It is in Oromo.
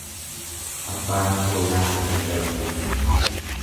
Abbaan koo yaada galgala keessa.